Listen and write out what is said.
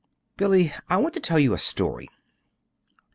"Billy, I want to tell you a story.